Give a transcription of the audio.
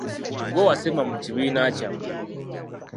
Ggwe wasemba mu kibiina kyammwe?